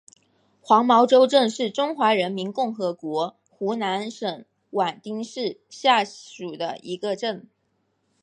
黄茅洲镇是中华人民共和国湖南省沅江市下辖的一个镇。